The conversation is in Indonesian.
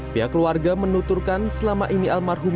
pihak keluarga menuturkan selama ini almarhum